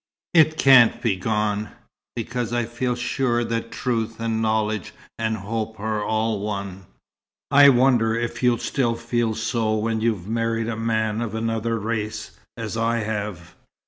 It can't be gone, because I feel sure that truth and knowledge and hope are all one." "I wonder if you'll still feel so when you've married a man of another race as I have?"